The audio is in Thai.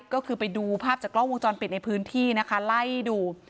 ก็คือไปดูภาพจากกล้องวงจรปิดในพื้นที่นะคะไล่ดู